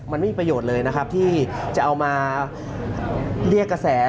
มันไม่มีประโยชน์เลยนะครับที่จะเอามาเรียกกระแส